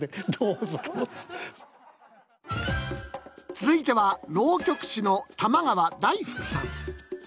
続いては浪曲師の玉川太福さん。